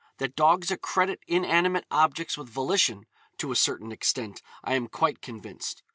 That dogs accredit inanimate objects with volition, to a certain extent, I am quite convinced.